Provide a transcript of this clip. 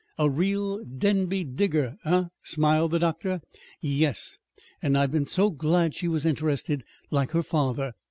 "A real Denby digger eh?" smiled the doctor. "Yes. And I've been so glad she was interested like her father."